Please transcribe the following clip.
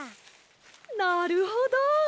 なるほど！